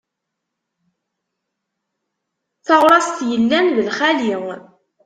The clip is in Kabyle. Taɣṛast yellan d lxali.